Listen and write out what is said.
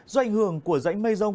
do ảnh hưởng của dãnh mây giông